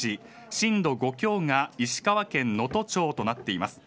震度５強が石川県能登町となっています。